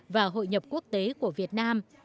và hội nhập quốc tế của việt nam